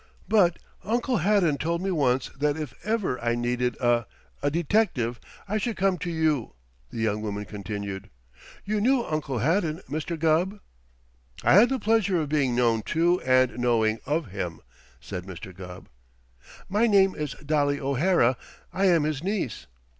"But Uncle Haddon told me once that if ever I needed a a detective I should come to you," the young woman continued. "You knew Uncle Haddon, Mr. Gubb?" "I had the pleasure of being known to and knowing of him," said Mr. Gubb. "My name is Dolly O'Hara! I am his niece."